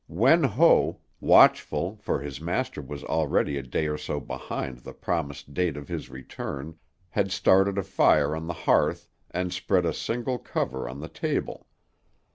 Wen Ho, watchful, for his master was already a day or so beyond the promised date of his return, had started a fire on the hearth and spread a single cover on the table.